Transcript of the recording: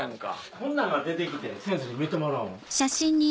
こんなんが出てきて先生に見てもらおう思て。